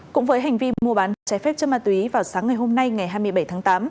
cũng với hành vi mua bán trái phép chân ma túy vào sáng ngày hôm nay ngày hai mươi bảy tháng tám